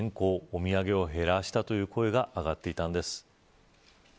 お土産を減らしたという声が上がっていたんです。